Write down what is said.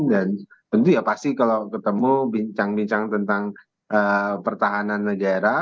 dan tentu ya pasti kalau ketemu bincang bincang tentang pertahanan negara